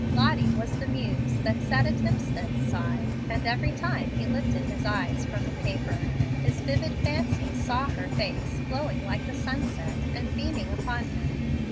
Lottie was the muse that sat at Hemstead's side; and every time he lifted his eyes from the paper his vivid fancy saw her face glowing like the sunset, and beaming upon him.